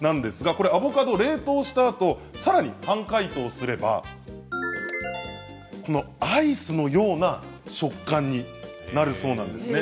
これアボカドを冷凍したあとさらに半解凍すればアイスのような食感になるそうなんですね。